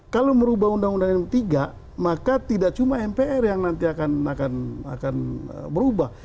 kalau merubah undang undang md tiga maka tidak cuma mpr yang nanti akan berubah